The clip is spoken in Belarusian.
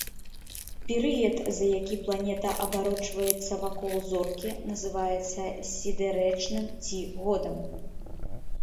Перыяд, за які планета абарочваюцца вакол зоркі, называецца сідэрычным, ці годам.